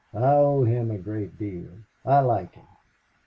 "I owe him a great deal. I like him...